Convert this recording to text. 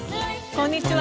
こんにちは。